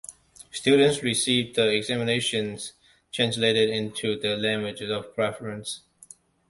Students receive the examinations translated into their languages of preference.